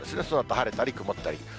そのあと晴れたり曇ったり。